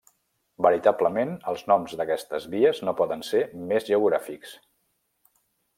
Veritablement, els noms d'aquestes vies no poden ser més geogràfics.